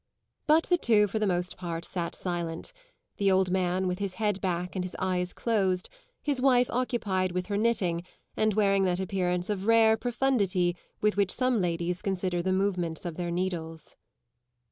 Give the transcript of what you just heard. But the two for the most part sat silent; the old man with his head back and his eyes closed, his wife occupied with her knitting and wearing that appearance of rare profundity with which some ladies consider the movement of their needles.